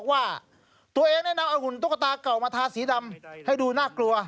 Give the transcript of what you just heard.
มีผ้าคุมหัวสีดำยาว